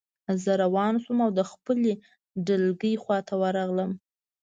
زه روان شوم او د خپلې ډلګۍ خواته ورغلم